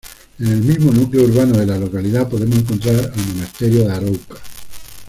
En el mismo núcleo urbano de la localidad podemos encontrar el Monasterio de Arouca.